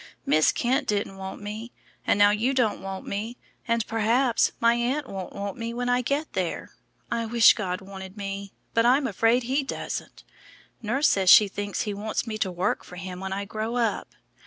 Miss Kent didn't want me, and now you don't want me, and perhaps my aunt won't want me when I get there. I wish God wanted me, but I'm afraid He doesn't. Nurse says she thinks He wants me to work for Him when I grow up.